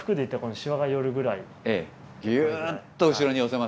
ぎゅっと後ろに寄せますよね。